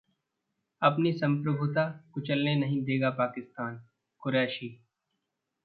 अपनी संप्रभुता कुचलने नहीं देगा पाकिस्तान: कुरैशी